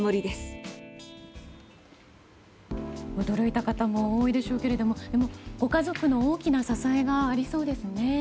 驚いた方も多いでしょうけれどもでも、ご家族の大きな支えがありそうですね。